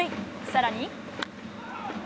さらに。